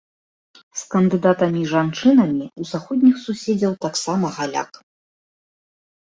З кандыдатамі-жанчынамі ў заходніх суседзяў таксама галяк.